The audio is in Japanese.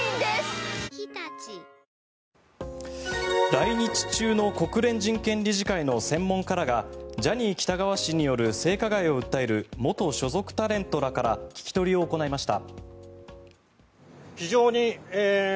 来日中の国連人権理事会の専門家らがジャニー喜多川氏による性加害を訴える元所属タレントらから聞き取りを行いました。